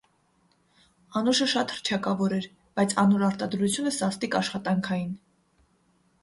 Անուշը շատ հռչակաւոր էր, բայց անոր արտադրութիւնը սաստիկ աշխատանքային։